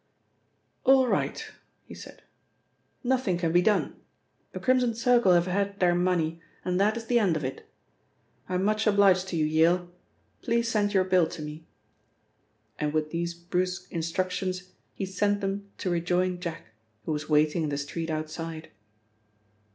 "All right," he said, "nothing can be done. The Crimson Circle have had their money, and that is the end of it. I'm much obliged to you, Yale. Please send your bill to me." And with these brusque instructions, he sent them to rejoin Jack, who was waiting in the street outside.